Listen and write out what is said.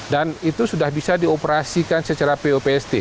dan itu sudah bisa dioperasikan secara popst